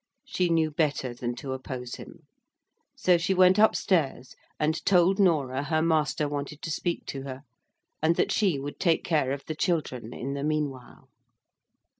She knew better than to oppose him; so she went up stairs, and told Norah her master wanted to speak to her, and that she would take care of the children in the meanwhile.